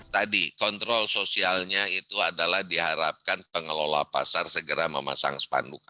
tadi kontrol sosialnya itu adalah diharapkan pengelola pasar segera memasang spanduk